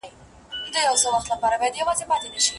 خاوند ولي باید جسمي او مالي وړتیا ولري؟